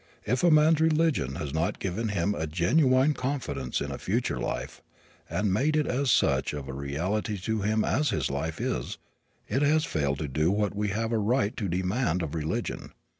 If a man's religion has not given him a genuine confidence in a future life, and made it as much of a reality to him as this life is, it has failed to do what we have a right to demand of religion.